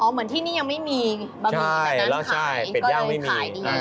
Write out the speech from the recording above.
เหมือนที่นี่ยังไม่มีบะหมี่แบบนั้นขายก็เลยขายดี